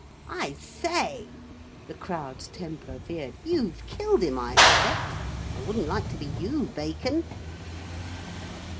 'I say,' the crowd's temper veered, 'you've killed him, I expect. I wouldn't like to be you, Bacon.'